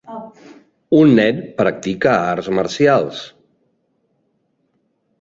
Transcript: Un nen practica arts marcials.